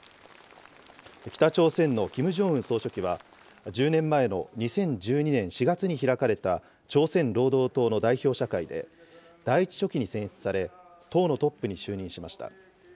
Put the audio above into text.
北朝鮮のキム・ジョンウン総書記は、１０年前の２０１２年４月に開かれた朝鮮労働党の代表者会で、第１書記に選出され、党のトップに就任しました。